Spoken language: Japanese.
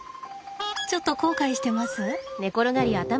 ちょっと後悔してます？